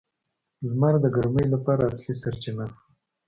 • لمر د ګرمۍ لپاره اصلي سرچینه ده.